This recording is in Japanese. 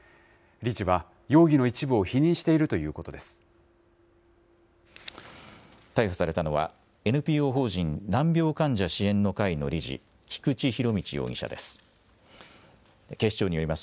理事は容疑の一部を否認しているということです。